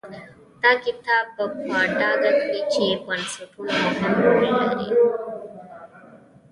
دا کتاب به په ډاګه کړي چې بنسټونه مهم رول لري.